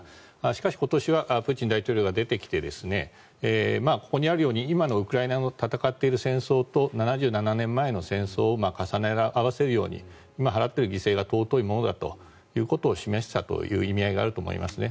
しかし、今年はプーチン大統領が出てきてここにあるように今のウクライナで戦っている戦争と７７年前の戦争を重ね合わせるように今、払っている犠牲は尊いものだということを示したという意味合いがあると思いますね。